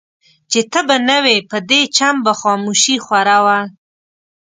چي ته به نه وې په دې چم به خاموشي خوره وه